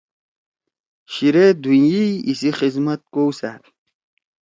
شیرے دُھوئں یئیی ایسی خدمت کؤ سأد۔